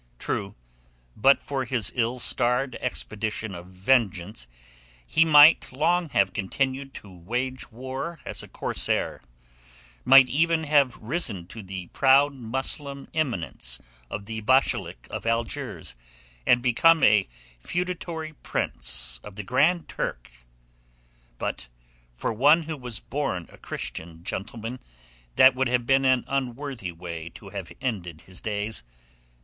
True, but for his ill starred expedition of vengeance he might long have continued to wage war as a corsair, might even have risen to the proud Muslim eminence of the Bashalik of Algiers and become a feudatory prince of the Grand Turk. But for one who was born a Christian gentleman that would have been an unworthy way to have ended his days.